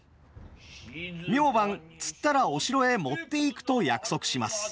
明晩釣ったらお城へ持っていくと約束します。